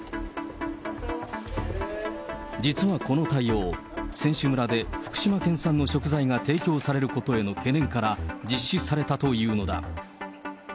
実はこの対応、選手村で福島県産の食材が提供されることへの懸念から、実施されたというのだ。